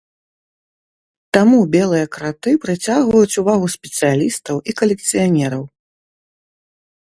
Таму белыя краты прыцягваюць увагу спецыялістаў і калекцыянераў.